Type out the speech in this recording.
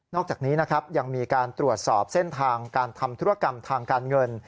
อกจากนี้นะครับยังมีการตรวจสอบเส้นทางการทำธุรกรรมทางการเงิน